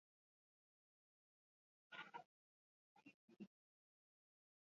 Gipuzkoako Foru Aldundia, Kultura Zuzendaritza Nagusia.